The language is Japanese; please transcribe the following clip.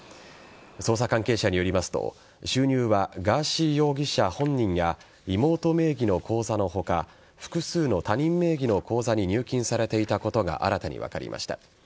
捜査関係者によりますと収入は、ガーシー容疑者本人や妹名義の口座の他複数の他人名義の口座に入金されていたことが新たに分かりました。